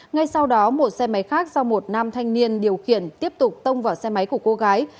ngay sau đó một xe máy khác do một nam thanh niên điều khiển tiếp tục tông vào xe máy của cô gái